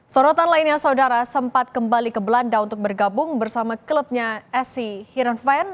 sorotan lainnya saudara sempat kembali ke belanda untuk bergabung bersama klubnya sy hiron van